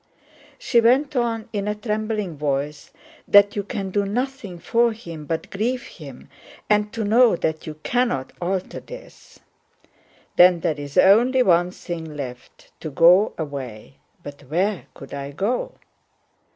she went on in a trembling voice, "that you can do nothing for him but grieve him, and to know that you cannot alter this. Then there is only one thing left—to go away, but where could I go?"